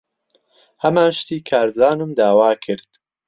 ھەمان شتی کارزانم داوا کرد.